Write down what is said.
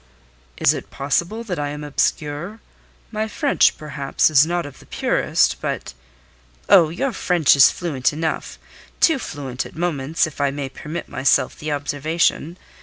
"Is it possible that I am obscure? My French, perhaps, is not of the purest, but...." "Oh, your French is fluent enough; too fluent at moments, if I may permit myself the observation.